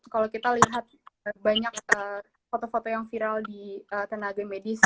kalau kita lihat banyak foto foto yang viral di tenaga medis